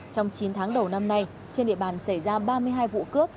trong chín tháng đầu năm nay trên địa bàn xảy ra ba mươi hai vụ cướp